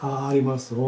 あります。